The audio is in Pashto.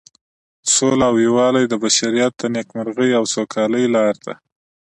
سوله او یووالی د بشریت د نیکمرغۍ او سوکالۍ لاره ده.